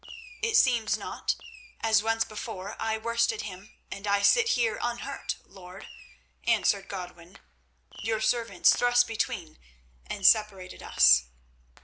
"It seems not, as once before I worsted him and I sit here unhurt, lord," answered Godwin. "Your servants thrust between and separated us."